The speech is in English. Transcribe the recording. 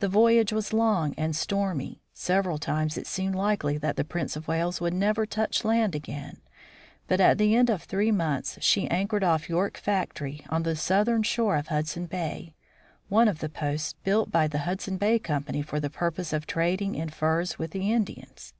The voyage was long and stormy ; several times it seemed likely that the Prince of Wales would never touch land again, but at the end of three months she anchored off York Factory, on the southern shore of Hudson bay, one of the posts built by the Hudson Bay Company for the purpose of trading in furs with the Indians.